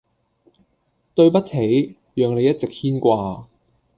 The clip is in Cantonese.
對不起，讓你一直牽掛！